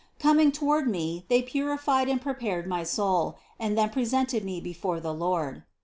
Coming toward me, they purified and prepared my soul, and then pre sented me before the Lord.